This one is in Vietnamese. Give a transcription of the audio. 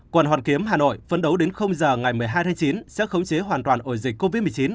quận hoàn kiếm hà nội phấn đấu đến giờ ngày một mươi hai tháng chín sẽ khống chế hoàn toàn ổ dịch covid một mươi chín